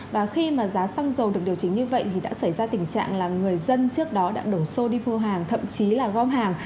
và khi mà giá xăng dầu được điều chỉnh như vậy thì đã xảy ra tình trạng là người dân trước đó đã đổ xô đi mua hàng thậm chí là gom hàng